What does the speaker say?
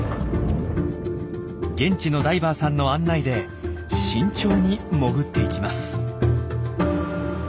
現地のダイバーさんの案内で慎重に潜っていきます。